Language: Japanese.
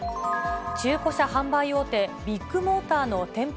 中古車販売大手、ビッグモーターの店舗